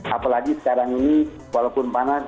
apalagi sekarang ini walaupun panas